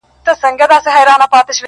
ستا د کیږدۍ له ماښامونو سره لوبي کوي!!